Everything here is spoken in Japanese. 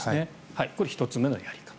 これが１つ目のやり方。